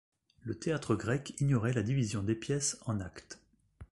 Le théâtre grec ignorait la division des pièces en actes.